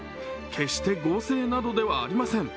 決して合成などではありません。